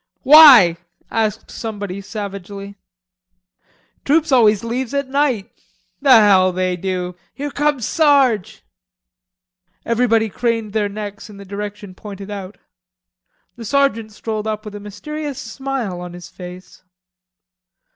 "Why?" asked somebody savagely. "Troops always leaves at night." "The hell they do!" "Here comes Sarge." Everybody craned their necks in the direction pointed out. The sergeant strolled up with a mysterious smile on his face.